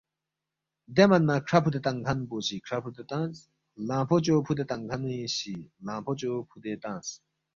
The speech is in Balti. دے من نہ کھرا فُودے تنگ کھن پو سی کھرا فُودے تنگس، خلنگفوچو فُودے تنگ کھنی سی خلنگ فوچو فُودے تنگس